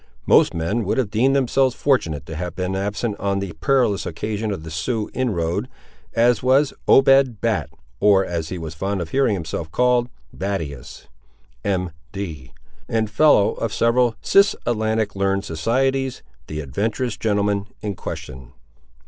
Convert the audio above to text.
Most men would have deemed themselves fortunate to have been absent on the perilous occasion of the Sioux inroad, as was Obed Bat, (or as he was fond of hearing himself called, Battius,) M.D. and fellow of several cis Atlantic learned societies—the adventurous gentleman in question.